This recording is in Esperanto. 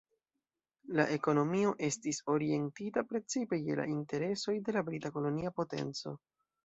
La ekonomio estis orientita precipe je la interesoj de la brita kolonia potenco.